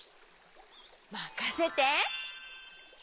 まかせて！